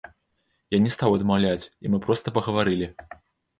Я не стаў адмаўляць, і мы проста пагаварылі.